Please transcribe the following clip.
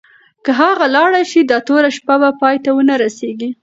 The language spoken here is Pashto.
که هغه لاړه شي، دا توره شپه به پای ته ونه رسېږي.